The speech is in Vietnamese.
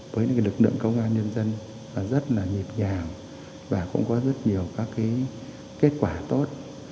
với những lực lượng công an nhân dân rất là nhịp nhàng và cũng có rất nhiều các kết quả tốt